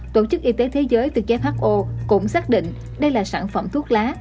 tổ chức y tế thế giới từ gfho cũng xác định đây là sản phẩm thuốc lá